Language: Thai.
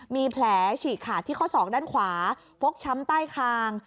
มีแผลฉีกขาดที่ข้อศอกด้านขวาฟกช้ำใต้คาง